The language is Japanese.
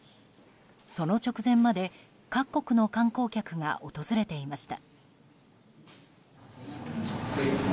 その直前まで各国の観光客が訪れていました。